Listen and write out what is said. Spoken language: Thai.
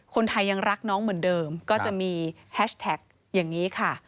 คนไทยยังรักน้องเหมือนเดิมก็จะมีแฮชแท็กอย่างนี้ค่ะ